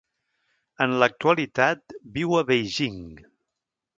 En l'actualitat viu a Beijing.